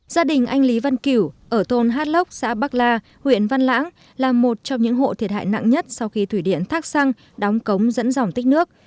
gia đình anh lý văn kiểu ở thôn hát lốc xã bắc la huyện văn lãng là một trong những hộ thiệt hại nặng nhất sau khi thủy điện thác săng đóng cống dẫn dòng tích nước